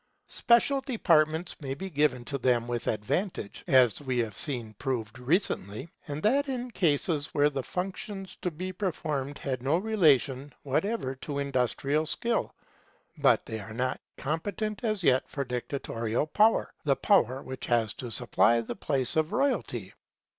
Special departments may be given to them with advantage, as we have seen proved recently, and that in cases where the functions to be performed had no relation whatever to industrial skill. But they are not competent as yet for dictatorial power, the power which has to supply the place of royalty.